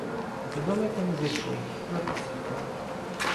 Та далеко не зайшов — втратив свідомість.